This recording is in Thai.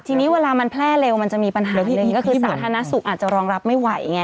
ทีนี้เวลามันแพร่เร็วมันจะมีปัญหาหนึ่งก็คือสาธารณสุขอาจจะรองรับไม่ไหวไง